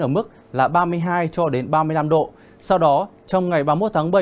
ở mức ba mươi hai ba mươi năm độ sau đó trong ngày ba mươi một tháng bảy